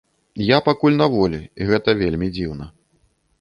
Я пакуль на волі і гэта вельмі дзіўна.